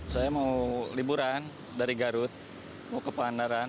saya mau liburan dari garut mau ke pangandaran